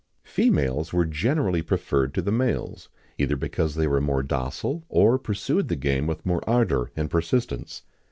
[XIX 23] Females were generally preferred to the males,[XIX 24] either because they were more docile, or pursued the game with more ardour and persistence.